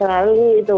atau ada yang kuasa